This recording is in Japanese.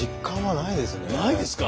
ないですか？